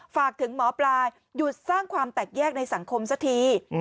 ฝากถึงหมอปลายหยุดสร้างความแตกแยกในสังคมสักที